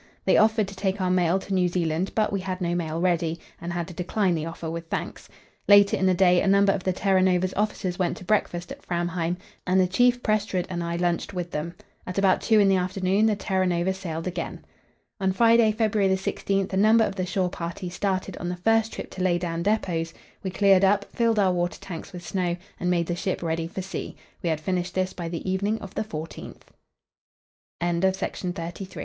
They offered to take our mail to New Zealand; but we had no mail ready, and had to decline the offer with thanks. Later in the day a number of the Terra Nova's officers went to breakfast at Framheim, and the Chief, Prestrud and I lunched with them. At about two in the afternoon the Terra Nova sailed again. On Friday, February 16, a number of the shore party started on the first trip to lay down depots. We cleared up, filled our water tanks with snow, and made the ship ready for sea. We had finished this by the evening of the 14th. From the Bay of Whales to Buenos Aires.